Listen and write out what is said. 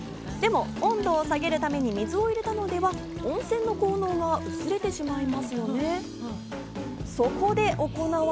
でも温度を下げるために水を入れたのでは温泉の効能が薄れてしま